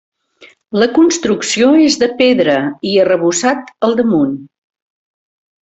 La construcció és de pedra i arrebossat al damunt.